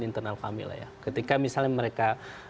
internal kami lah ya ketika misalnya mereka